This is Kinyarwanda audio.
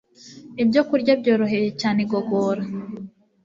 ibyokurya byoroheye cyane igogora